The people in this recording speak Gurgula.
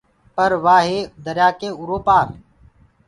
پر وآ هي دريآ ڪي اُرو پآر۔